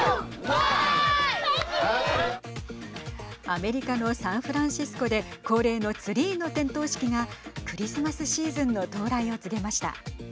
アメリカのサンフランシスコで恒例のツリーの点灯式がクリスマスシーズンの到来を告げました。